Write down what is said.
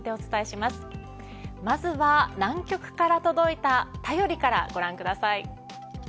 まずは南極から届いた便りからご覧ください。